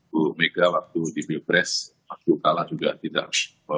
bu mega waktu di pilpres waktu kalah juga tidak